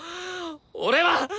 俺は！